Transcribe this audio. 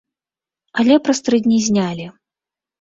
Але праз тры дні знялі.